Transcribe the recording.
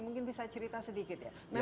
mungkin bisa cerita sedikit ya